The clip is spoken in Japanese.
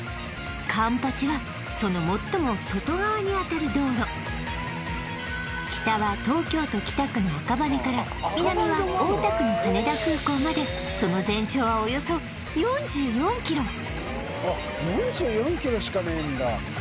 環八はその最も外側にあたる道路北は東京都北区の赤羽から南は大田区の羽田空港まであっ４４ｋｍしかねえんだ